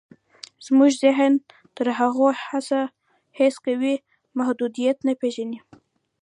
زموږ ذهن تر هغو هېڅ ډول محدوديت نه پېژني.